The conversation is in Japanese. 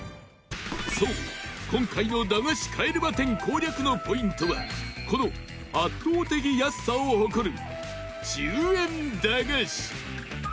そう、今回の駄菓子帰れま１０攻略のポイントはこの圧倒的安さを誇る１０円駄菓子